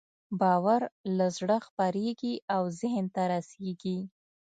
باور له زړه خپرېږي او ذهن ته رسېږي.